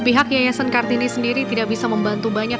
pihak yayasan kartini sendiri tidak bisa membantu banyak